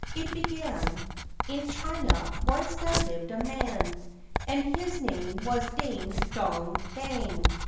It began : In China once there lived a man, And his name was Ding dong dang.